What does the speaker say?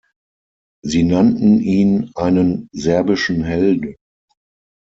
Sie nannten ihn einen serbischen Helden.